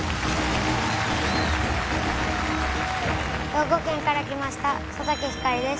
兵庫県から来ました佐竹晃です。